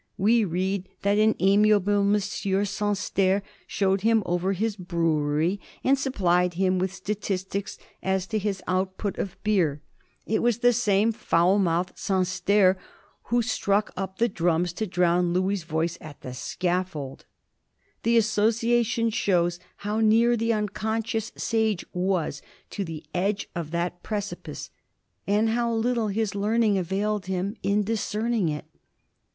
We read that an amiable Monsieur Sansterre showed him over his brewery and supplied him with statistics as to his output of beer. It was the same foul mouthed Sansterre who struck up the drums to drown Louis' voice at the scaffold. The association shows how near the unconscious sage was to the edge of that precipice and how little his learning availed him in discerning it.